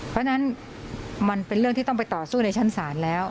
เพราะฉะนั้นมันเป็นเรื่องที่ต้องไปต่อสู้ในชั้นศาลแล้ว